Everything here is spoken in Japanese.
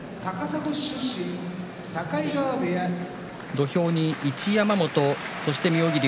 土俵に一山本と妙義龍。